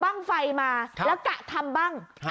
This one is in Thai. บ้างไฟมาแล้วกะทำบ้าง